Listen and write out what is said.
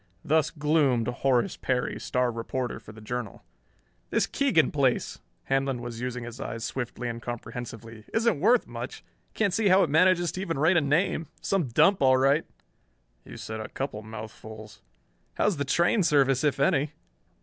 Thus gloomed Horace Perry, star reporter for the Journal. "This Keegan place" Handlon was using his eyes swiftly and comprehensively "isn't worth much. Can't see how it manages to even rate a name. Some dump, all right!" "You said a couple mouthfuls." "How's the train service, if any?"